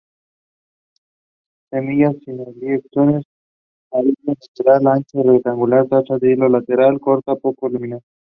Semillas elipsoides, arilo lateral ancho, regular, taza del hilo lateral, corta, poco hundida.